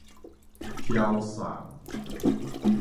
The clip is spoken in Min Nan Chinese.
飄送